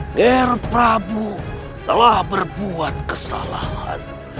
ner prabu telah berbuat kesalahan